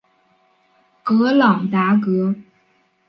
格朗达格。